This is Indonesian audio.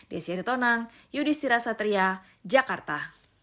desi ritonang yudhistira satria jakarta